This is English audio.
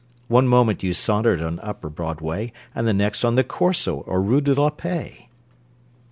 One moment you sauntered on upper Broadway, And the next on the Corso or rue de la Paix!